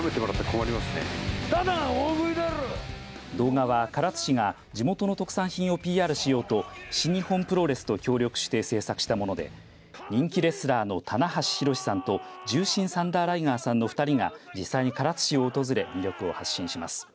動画は、唐津市が地元の特産品をＰＲしようと新日本プロレスと協力して制作したもので人気レスラーの棚橋弘至さんと獣神サンダー・ライガーさんの２人が実際に唐津市を訪れ魅力を発信します。